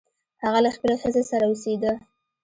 هغه له خپلې ښځې سره اوسیده.